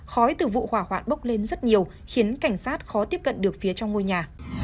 khói từ vụ hỏa hoạn bốc lên rất nhiều khiến cảnh sát khó tiếp cận được phía trong ngôi nhà